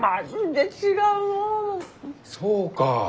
そうか。